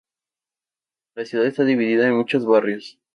La ciudad está dividida en muchos barrios.